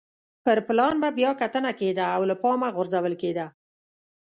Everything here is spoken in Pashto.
پر پلان به بیا کتنه کېده او له پامه غورځول کېده.